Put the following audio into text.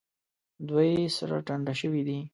دوی سره ټنډه شوي دي.